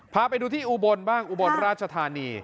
พาไปดูที่อุบลบ้างอุบลราชธานี